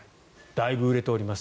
だいぶ売れております。